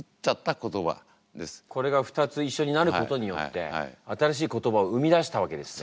これが２つ一緒になることによって新しい言葉を生み出したわけですね。